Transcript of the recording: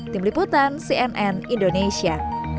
tim liputan cnn indonesia